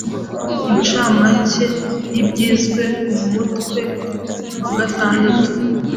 Inshamake y’ibyizwe mu mutwe wa gatandatu